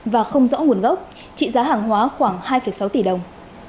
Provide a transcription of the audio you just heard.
và không rõ nguồn gốc trị giá hàng hóa khoảng hai sáu tỷ đồng